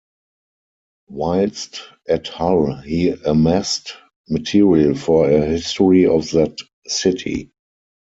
Whilst at Hull he amassed material for a history of that city.